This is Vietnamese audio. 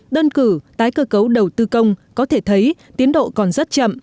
đơn cử tái cơ cấu đầu tư công có thể thấy tiến độ còn rất chậm